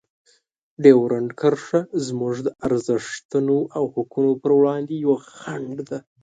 ډیورنډ کرښه زموږ د ارزښتونو او حقونو په وړاندې یوه خنډ ده.